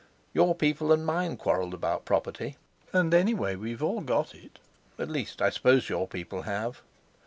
Your people and mine quarrelled about property. And anyway we've all got it—at least, I suppose your people have."